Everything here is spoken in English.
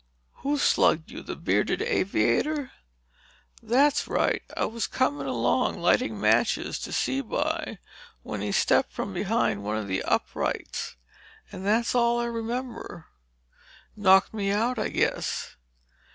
"Who slugged you? The bearded aviator?" "That's right. I was coming along, lighting matches to see by when he stepped from behind one of the uprights—and that's all I remember. Knocked me out, I guess."